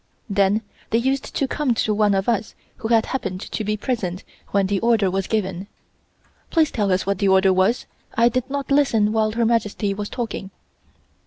Then they used to come to one of us who had happened to be present when the order was given: "Please tell us what the order was. I did not listen while Her Majesty was talking."